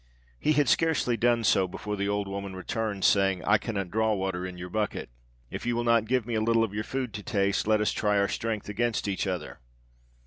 "He had scarcely done so before the old woman returned, saying, 'I cannot draw water in your bucket. If you will not give me a little of your food to taste, let us try our strength against each other.'